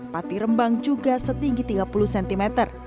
pati rembang juga setinggi tiga puluh cm